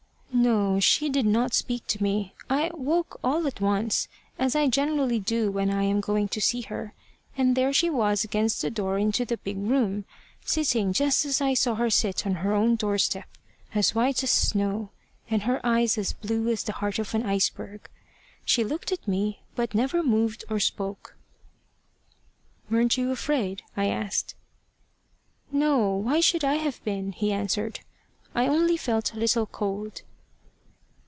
"No. She did not speak to me. I woke all at once, as I generally do when I am going to see her, and there she was against the door into the big room, sitting just as I saw her sit on her own doorstep, as white as snow, and her eyes as blue as the heart of an iceberg. She looked at me, but never moved or spoke." "Weren't you afraid?" I asked. "No. Why should I have been?" he answered. "I only felt a little cold."